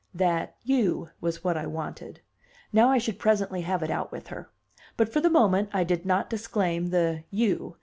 That "you" was what I wanted. Now I should presently have it out with her. But, for the moment, I did not disclaim the "you."